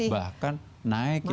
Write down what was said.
bahkan naik gitu kan